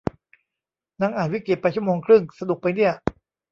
นั่งอ่านวิกิไปชั่วโมงครึ่ง สนุกมั้ยเนี่ย